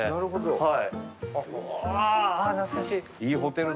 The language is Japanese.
はい。